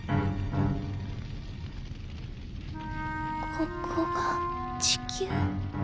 ここが地球？